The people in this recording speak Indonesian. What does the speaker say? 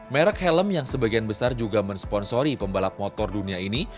merek helm yang sebagian besar juga mensponsori pembalap motor dunia ini